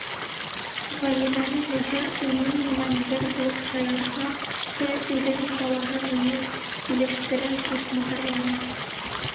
Ғәлимәне һөйһә, уның менән бер булып шаярһа, «һе, үҙенең балаһымы ни, килештерә», тип мығырланы.